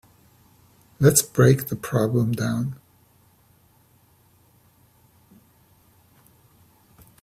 Let's break the problem down.